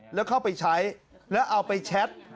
แล้วเข้าไปใช้แล้วเอาไปแชท